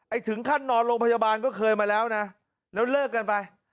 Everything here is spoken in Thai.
ถึงขั้นนอนโรงพยาบาลก็เคยมาแล้วนะแล้วเลิกกันไป